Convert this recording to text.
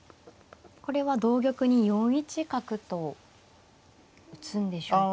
これは同玉に４一角と打つんでしょうか。